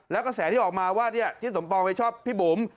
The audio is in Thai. แล้วกระแสที่ออกมาว่าทิศสมปองไม่ชอบพี่บุ๋ม